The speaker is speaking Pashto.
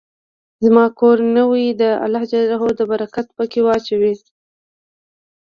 زما کور نوې ده، الله ج د برکت په کي واچوی